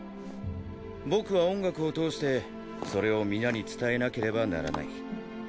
僕は音楽を通してそれを皆に伝えなければならない。